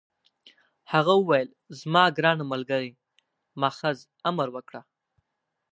هغه وویل: زما ګرانه ملګرې، محض امر وکړه.